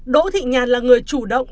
đỗ thị nhàn là người chủ động